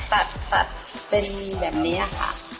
ตัดตัดเป็นแบบนี้ค่ะ